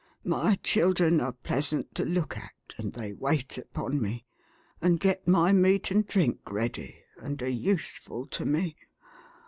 My children are pleasant to look at, and they wait upon me, and get my meat and drink ready, and are useful to me.